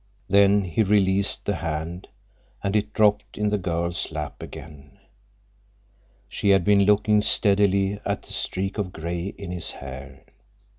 Then he released the hand, and it dropped in the girl's lap again. She had been looking steadily at the streak of gray in his hair.